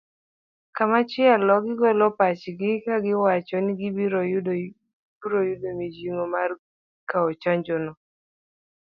Komachielo gigolo pachgi kagiwacho ni gibiro yudo mijing'o mar kao chanjo no